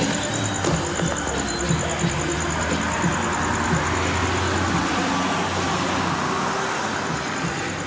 ดีเลยดีเลย